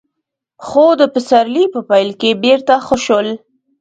خو د پسرلي په پيل کې بېرته ښه شول.